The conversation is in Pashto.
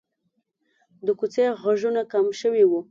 د کوڅې غږونه کم شوي وو.